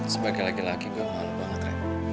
sebagai laki laki gue malu banget